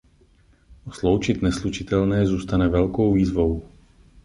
Sloučit neslučitelné zůstane velkou výzvou.